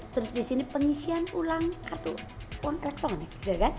terus disini pengisian ulang kartu uang elektronik